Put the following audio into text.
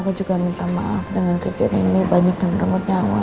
aku juga minta maaf dengan kejadian ini banyak yang merenggut nyawa